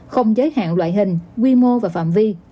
không giới hạn loại hình quy mô và phạm vi